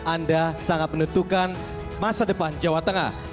anda sangat menentukan masa depan jawa tengah